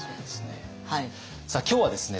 さあ今日はですね